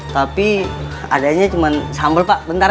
tapi adanya cuma sambal pak bentar